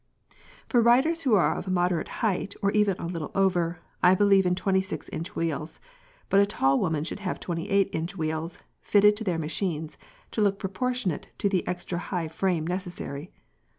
For riders who are of moderate height or even a little over I believe in 26 inch wheels, but tall women should have 28 inch wheels fitted to their machines, to look proportionate to the extra high frame necessary.